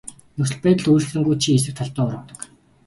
Нөхцөл байдал өөрчлөгдөнгүүт чи эсрэг талдаа урвадаг.